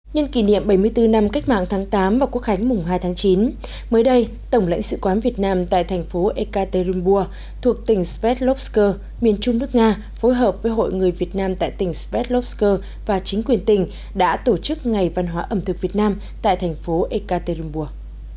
nhân kỷ niệm bảy mươi bốn năm cách mạng tháng tám và quốc khánh mùng hai tháng chín mới đây tổng lãnh sự quán việt nam tại thành phố ekaterinburg thuộc tỉnh svetlovsk miền trung nước nga phối hợp với hội người việt nam tại tỉnh svetlovske và chính quyền tỉnh đã tổ chức ngày văn hóa ẩm thực việt nam tại thành phố ekaterinburg